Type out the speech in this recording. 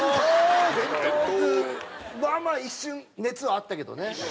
まあまあ一瞬熱はあったけどね。